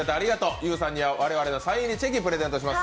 ゆーさんには我々のサイン入りチェキプレゼントします。